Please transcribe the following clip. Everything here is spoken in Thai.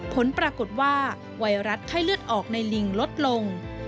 ผลปรากฏว่าไวรัสไข้เลือดออกในลิงลดลง